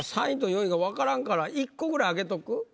３位と４位がわからんから１個ぐらい開けとく？